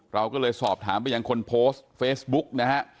เราก็เลยสอบถามไปยังคนโพสต์เฟซบุ๊กนะฮะ